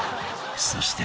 ［そして］